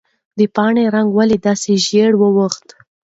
د پاڼې رنګ ولې داسې ژېړ واوښت؟